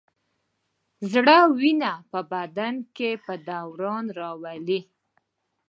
زړه وینه په بدن کې په دوران راولي.